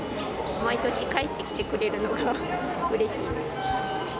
毎年、帰ってきてくれるのがうれしいです。